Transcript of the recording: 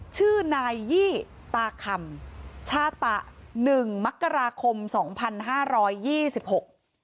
ชื่อนายยี่ตาคำชาตะหนึ่งมกราคมสองพันห้าร้อยยี่สิบหก